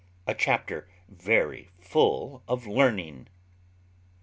A chapter very full of learning.